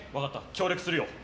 協力するよ。